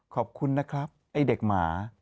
ขอบคุณนะครับไอ้เด็กหมา